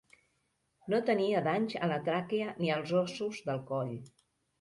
No tenia danys a la tràquea ni als ossos del coll.